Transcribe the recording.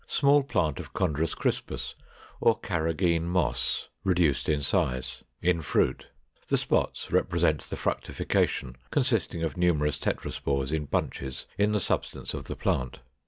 Small plant of Chondrus crispus, or Carrageen Moss, reduced in size, in fruit; the spots represent the fructification, consisting of numerous tetraspores in bunches in the substance of the plant.